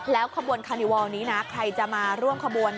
ขบวนคานิวอลนี้นะใครจะมาร่วมขบวน